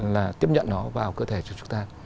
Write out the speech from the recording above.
là tiếp nhận nó vào cơ thể của chúng ta